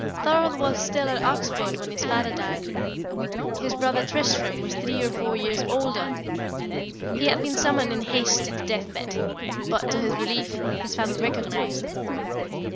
Thorold was still at Oxford when his father died. His brother Tristram was three or four years older. He had been summoned in haste to the death bed; but, to his relief, his father recognised him.